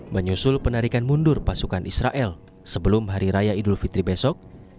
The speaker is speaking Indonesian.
menyusul penarikan mundur pasukan israel sebelum hari raya idul fitri besok